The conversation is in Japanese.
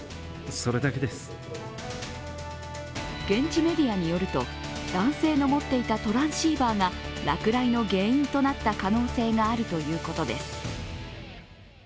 現地メディアによると、男性の持っていたトランシーバーが落雷の原因となった可能性があるということです。